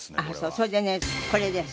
それでねこれです。